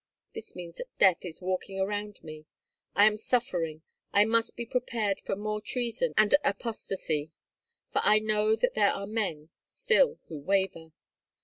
This means that death is walking around me. I am suffering. I must be prepared for more treason and apostasy, for I know that there are men still who waver."